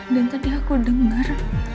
dan tadi aku denger